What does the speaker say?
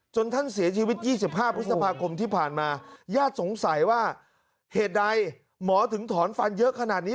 ท่านเสียชีวิต๒๕พฤษภาคมที่ผ่านมาญาติสงสัยว่าเหตุใดหมอถึงถอนฟันเยอะขนาดนี้